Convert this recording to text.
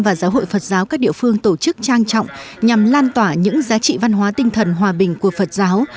và giáo hội phật giáo các địa phương tổ chức trang trọng nhằm lan tỏa những giá trị văn hóa tinh thần hòa bình của phật giáo